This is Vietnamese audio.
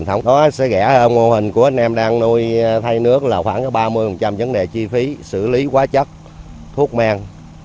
cũng có sẽ rẻ hơn mô hình của anh em đang nuôi thay nước là khoảng ba mươi vấn đề chi phí xử lý quá chất thuốc men